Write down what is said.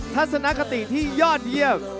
ทัศนคติที่ยอดเยี่ยม